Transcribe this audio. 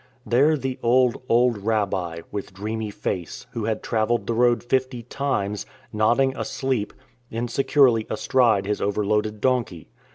There the old, old Rabbi with dreamy face, who had travelled the road fifty times, nodding asleep, insecurely astride his overloaded donkey.